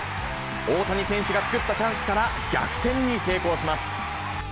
大谷選手が作ったチャンスから、逆転に成功します。